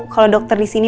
kalau dokter di sini